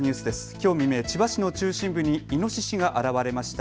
きょう未明、千葉市の中心部にイノシシが現れました。